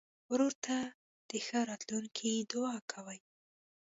ورور ته د ښه راتلونکي دعا کوې.